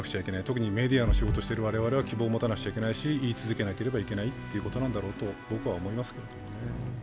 特にメディアの仕事をしている我々は希望を持たなくちゃいけないし言い続けないといけないと僕は思いますね。